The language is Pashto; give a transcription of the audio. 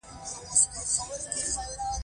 سپېده چاود روانو اوبو ته ورسېدل.